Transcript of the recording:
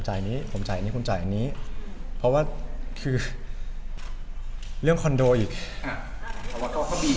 ได้บังคับที่มีที่อยู่ห้องละ๔คัน